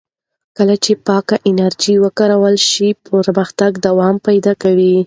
کله چې پاکه انرژي وکارول شي، پرمختګ دوام پیدا کوي.